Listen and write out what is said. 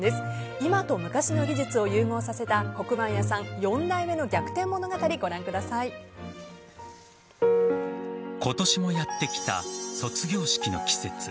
今と昔の技術を融合させた黒板屋さん４代目の逆転物語今年もやってきた卒業式の季節。